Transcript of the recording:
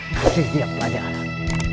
masih dia pelajaran